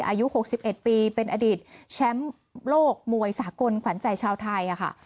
อายุหกสิบเอ็ดปีเป็นอดีตแชมป์โลกมวยสากลขวัญใจชาวไทยอ่ะค่ะ